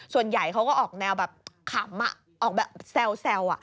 ส่วนใหญ่เขาก็ออกแนวแบบขำออกแบบแซว